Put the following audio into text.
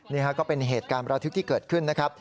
นี่ก็เป็นเหตุการณ์ประทึกที่เกิดขึ้นนะครับ